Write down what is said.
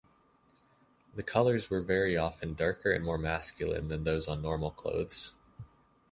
The colours were very often darker and more masculine than those on normal clothes.